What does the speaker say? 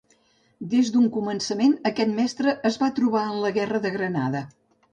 Des d'un començament, aquest mestre es va trobar en la guerra de Granada.